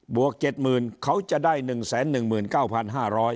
วก๗๐๐เขาจะได้๑๑๙๕๐๐บาท